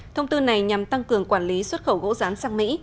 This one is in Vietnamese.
thông tư này nhằm tăng cường quản lý xuất khẩu gỗ rán sang mỹ